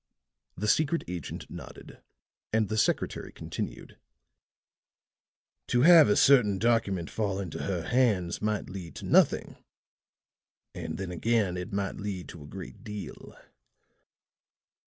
The secret agent nodded, and the secretary continued: "To have a certain document fall into her hands might lead to nothing and then again it might lead to a great deal."